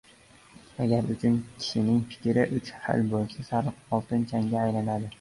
agar uch kishining fikri uch xil bo‘lsa sariq oltin changga aylanadi.